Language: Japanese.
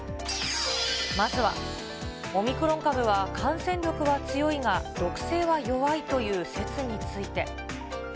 まずは、オミクロン株は感染力は強いが毒性は弱いという説について。